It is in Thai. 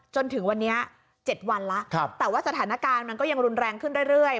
จนถึงวันนี้๗วันแล้วแต่ว่าสถานการณ์มันก็ยังรุนแรงขึ้นเรื่อย